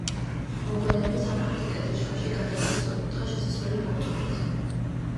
მოგვიანებით სამხრეთი კედლის შუაში განიერი, სწორკუთხა შესასვლელი მოუწყვიათ.